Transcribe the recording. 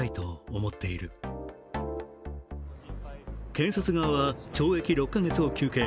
検察側は懲役６か月を求刑。